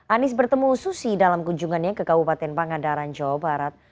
anies bertemu susi dalam kunjungannya ke kabupaten pangandaran jawa barat